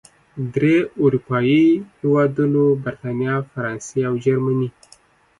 درې اروپايي هېوادونو، بریتانیا، فرانسې او جرمني